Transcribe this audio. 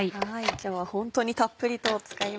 今日はホントにたっぷりと使います。